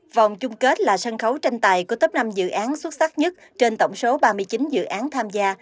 vòng chung kết là sân khấu tranh tài của tấp năm dự án xuất sắc nhất trên tổng số ba mươi chín dự án tham gia